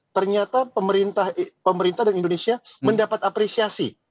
ternyata pemerintah dan indonesia mendapat apresiasi